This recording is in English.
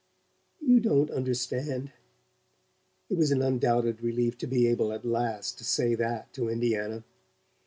"You don't understand." (It was an undoubted relief to be able, at last, to say that to Indiana!)